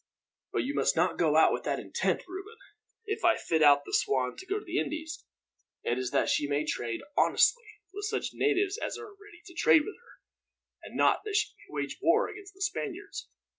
"But you must not go out with that intent, Reuben. If I fit out the Swan to go to the Indies, it is that she may trade honestly with such natives as are ready to trade with her, and not that she may wage war against the Spaniards."